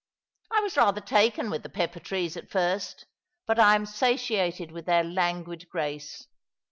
" I was rather taken with the pepper trees at first, but I am satiated with their languid grace.